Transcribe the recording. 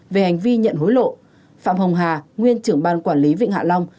về hành vi nhận hối lộ phạm hồng hà nguyên trưởng ban quản lý vịnh hạ long